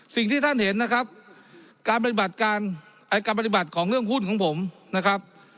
สิ่งที่ท่านเห็นนะครับการปฏิบัติการการปฏิบัติของเรื่องหุ้นของผมนะครับ